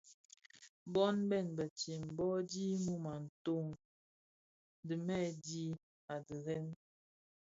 Bon bèn betsem bō dhi mum a toň dhimèè dii a dhirèn.